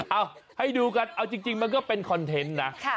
เอาให้ดูกันเอาจริงมันก็เป็นคอนเทนต์นะ